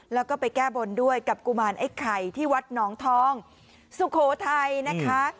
แล้วก็ไปแก้บนด้วยกับกุมารไอ้ไข่ที่วัดหนองทองสุโขทัยนะคะ